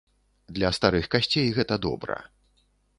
Для старых касцей гэта добра.